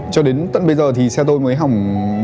cho đến tận bây giờ thì xe tôi mới hỏng